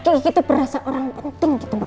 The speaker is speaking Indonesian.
kiki tuh berasa orang penting gitu